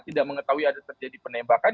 tidak mengetahui ada terjadi penembakan